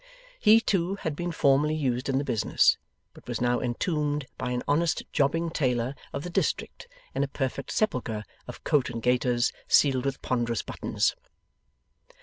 He, too, had been formerly used in the business, but was now entombed by an honest jobbing tailor of the district in a perfect Sepulchre of coat and gaiters, sealed with ponderous buttons.